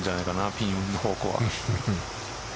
ピン方向は。